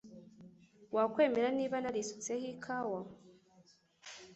Wakwemera niba narisutseho ikawa?